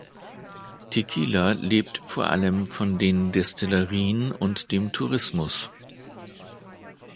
Tequila lebt vor allem von den Destillerien und vom Tourismus.